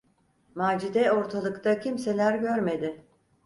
Macide ortalıkta kimseler görmedi.